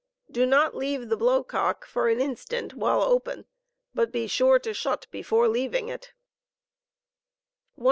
Do hot leave the blow cook for an instant; while open, bat be snre to shut before leaving it 168.